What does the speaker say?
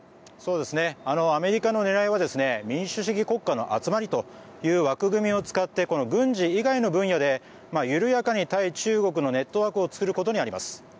アメリカの狙いは民主主義国家の集まりという枠組みを使ってこの軍事以外の分野で緩やかに対中国のネットワークを作ることにあります。